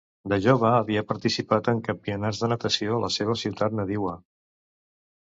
De jove havia participat en campionats de natació a la seva ciutat nadiua.